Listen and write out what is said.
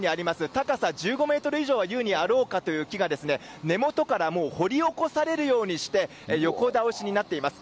高さ１５ｍ以上はあろうかという木が根元から掘り起こされるようにして横倒しになっています。